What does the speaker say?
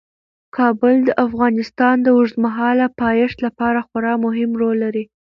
کابل د افغانستان د اوږدمهاله پایښت لپاره خورا مهم رول لري.